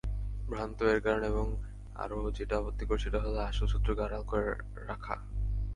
ভ্রান্ত—এর কারণ এবং আরও যেটা আপত্তিকর সেটা হলো আসল শক্রকে আড়ালে রাখা।